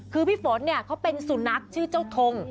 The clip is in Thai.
คือพี่ฝนเนี่ยเขาเป็นสุนัขชื่อเจ้าทง